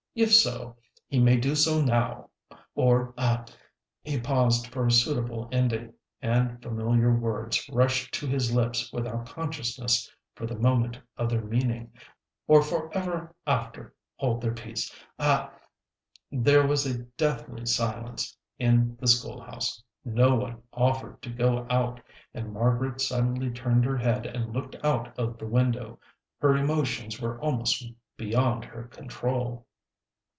If so he may do so now, or ah " He paused for a suitable ending, and familiar words rushed to his lips without consciousness for the moment of their meaning "or forever after hold their peace ah!" There was a deathly silence in the school house. No one offered to go out, and Margaret suddenly turned her head and looked out of the window. Her emotions were almost beyond her control.